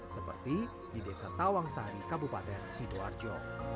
seperti di desa tawang sari kabupaten sidoarjo